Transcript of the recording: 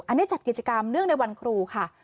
อันนี้จัดกิจกรรมเนื่องในวันครูค่ะ